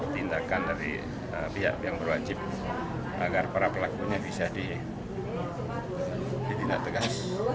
tindakan dari pihak yang berwajib agar para pelakunya bisa ditindak tegas